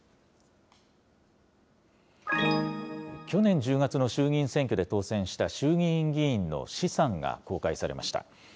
去年１０月の衆議院選挙で当選した衆議院議員の資産が公開されました。